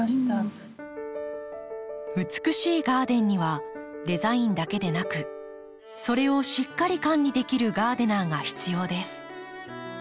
美しいガーデンにはデザインだけでなくそれをしっかり管理できるガーデナーが必要です。